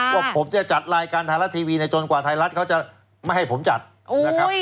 ว่าผมจะจัดรายการไทยรัฐทีวีในจนกว่าไทยรัฐเขาจะไม่ให้ผมจัดนะครับ